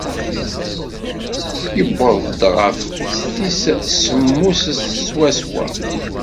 Yewweḍ-d ɣef tis semmuset swaswa.